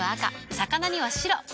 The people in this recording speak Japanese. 魚には白。